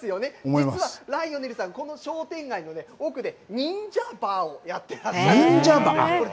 実はライオネルさんこの商店街の奥で忍者バーをやっていらっしゃる。